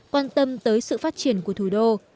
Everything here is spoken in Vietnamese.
quan tâm tới sự phát triển của thủ đô